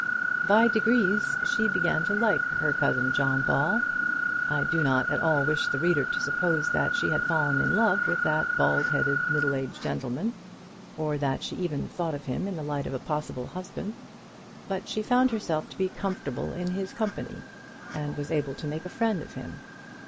By degrees she began to like her cousin John Ball. I do not at all wish the reader to suppose that she had fallen in love with that bald headed, middle aged gentleman, or that she even thought of him in the light of a possible husband; but she found herself to be comfortable in his company, and was able to make a friend of him.